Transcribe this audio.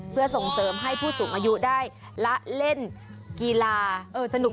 เพื่อส่งเสริมให้ผู้สูงอายุได้ละเล่นกีฬาสนุก